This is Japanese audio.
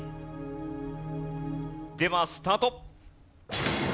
ではスタート。